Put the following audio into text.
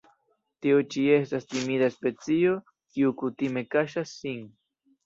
Tiu ĉi estas timida specio kiu kutime kaŝas sin.